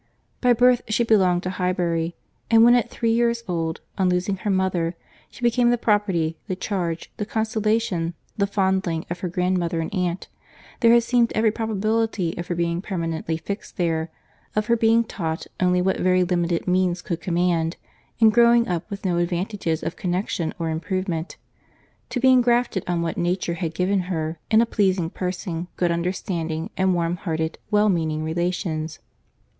By birth she belonged to Highbury: and when at three years old, on losing her mother, she became the property, the charge, the consolation, the foundling of her grandmother and aunt, there had seemed every probability of her being permanently fixed there; of her being taught only what very limited means could command, and growing up with no advantages of connexion or improvement, to be engrafted on what nature had given her in a pleasing person, good understanding, and warm hearted, well meaning relations.